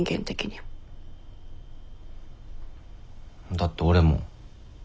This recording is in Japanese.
だって俺も。